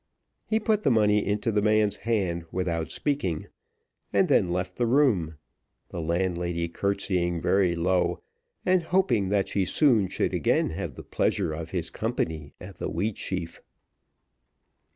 He put the money into the man's hand without speaking, and then left the room, the landlady courtesying very low, and hoping that she soon should again have the pleasure of his company at the Wheatsheaf.